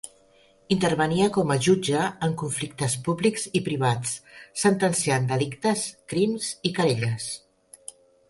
Intervenia com a jutge en conflictes públics i privats, sentenciant delictes, crims i querelles.